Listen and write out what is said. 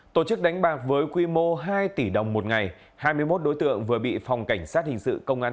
tổ chức đánh bạc với quy mô hai tỷ đồng một ngày hai mươi một đối tượng vừa bị phòng cảnh sát hình sự công an